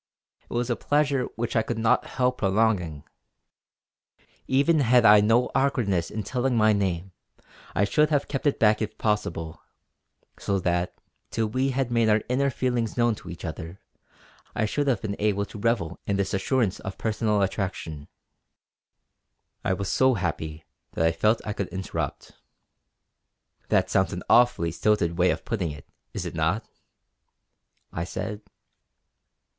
It was a pleasure which I could not help prolonging. Even had I had no awkwardness in telling my name, I should have kept it back if possible; so that, till we had made our inner feelings known to each other, I should have been able to revel in this assurance of personal attraction;" I was so happy that I felt I could interrupt: "That sounds an awfully stilted way of putting it, is it not?" I said.